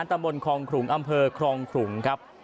ตำบลคลองขลุงอำเภอครองขลุงครับ